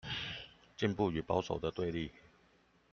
進步與保守的對立